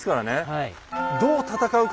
はい。